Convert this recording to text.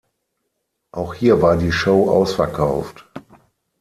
Auch hier war die Show ausverkauft.